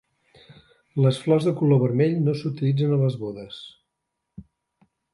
Les flors de color vermell no s'utilitzen a les bodes.